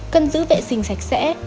bốn cân giữ vệ sinh sạch sẽ